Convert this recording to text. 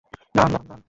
দাঁড়ান, দাঁড়ান!